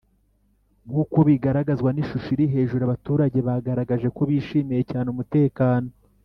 Nk uko bigaragzwa n ishusho iri hejuru abaturage bagaragaje ko bishimiye cyane umutekano